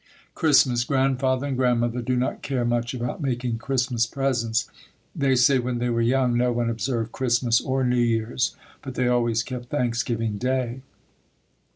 Christmas. Grandfather and Grandmother do not care much about making Christmas presents. They say, when they were young no one observed Christmas or New Years, but they always kept Thanksgiving day.